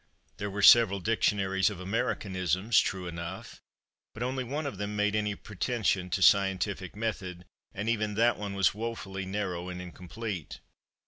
There were several dictionaries of Americanisms, true enough, but only one of them made any pretension to scientific method, and even that one was woefully narrow and incomplete.